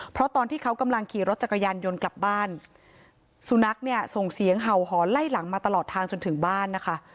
เพราะตอนที่เขากำลังขี่รถจักรยานยนต์กลับบ้านสุนัขเนี่ยส่งเสียงเห่าหอนไล่หลังมาตลอดทางจนถึงบ้านนะคะ